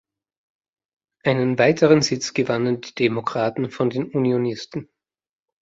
Einen weiteren Sitz gewannen die Demokraten von den Unionisten.